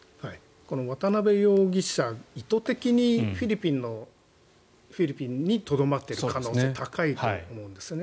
この渡邉容疑者意図的にフィリピンにとどまっている可能性が高いと思うんですね。